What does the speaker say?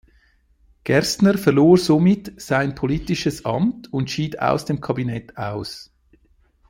Gerstner verlor somit sein politisches Amt und schied aus dem Kabinett aus.